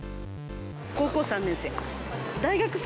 高校３年生。